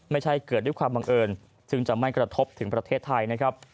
ไม่ใช่เกิดด้วยความบังเอิญซึ่งจะไม่กระทบถึงประเทศไทยนะครับ